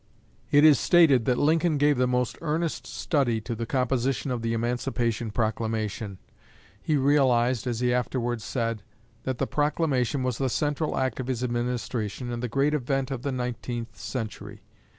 It is stated that Lincoln gave the most earnest study to the composition of the Emancipation Proclamation. He realized, as he afterwards said, that the proclamation was the central act of his administration and the great event of the nineteenth century.